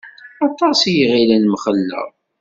Aṭas i iɣillen mxelleɣ.